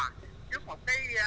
trước một cái